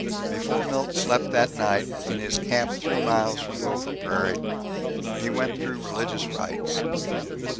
Before Milt slept that night, in his camp three miles from Gopher Prairie, he went through religious rites.